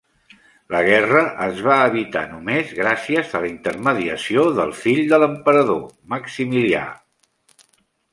La guerra es va evitar només gràcies a la intermediació del fill de l'emperador, Maximilià.